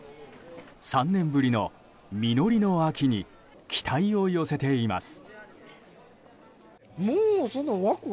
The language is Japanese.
３年ぶりの実りの秋に期待を寄せています。